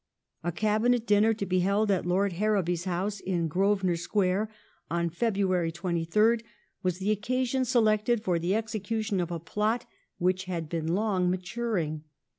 A Cabinet dinner to be held at Lord Harrowby's house in Grosvenor Square on February 23rd was the occasion selected for the execution of a plot which had been long maturing.